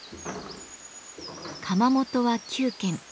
窯元は９軒。